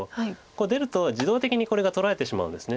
こう出ると自動的にこれが取られてしまうんです。